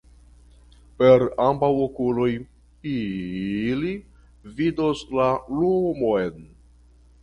Per ambaŭ okuloj ili vidos la lumon.